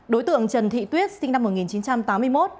đối tượng trần thị tuyết sinh năm một nghìn chín trăm tám mươi một